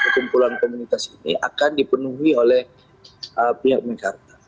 kumpulan komunitas ini akan dipenuhi oleh pihak mekarta